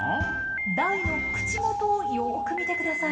ダイの口元をよく見てください。